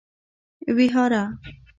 ويهاره